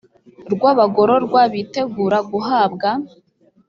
rw abagororwa bitegura guhabwa